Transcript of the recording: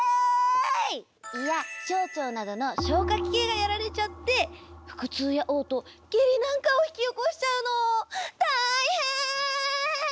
胃や小腸などの消化器系がやられちゃって腹痛やおう吐下痢なんかを引き起こしちゃうの。